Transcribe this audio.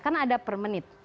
karena ada per menit